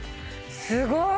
すごい！